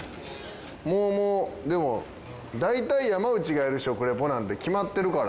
もうもうでも大体山内がやる食リポなんて決まってるから。